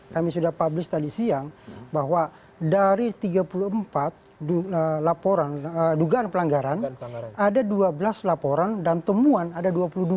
kami sudah publis tadi siang bahwa dari tiga puluh empat laporan dugaan pelanggaran ada dua belas laporan dan temuan ada dua puluh dua